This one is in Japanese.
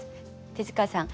手塚さん